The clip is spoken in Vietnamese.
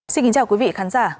xin kính chào quý vị khán giả